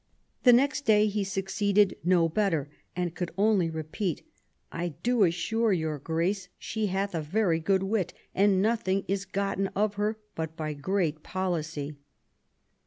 The next day he suc ceeded no better, and could only repeat, " I do assure your Grace she hath a very good wit, and nothing is gotten of her but by great policy *'.